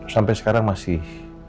sampai sekarang masih